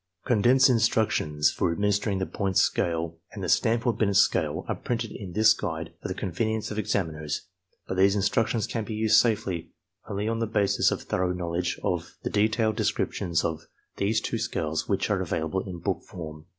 Condensed instructions for administering the point scale and the Stanford Binet scale are printed in this guide for the con venience of examiners, but these instructions can be used safely only on the basis of thorough knowledge of the detailed de scriptions of these two scales which are available in book form.